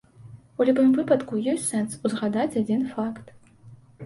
У любым выпадку, ёсць сэнс узгадаць адзін факт.